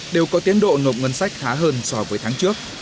đều có tiến độ nộp ngân sách thá hơn so với tháng trước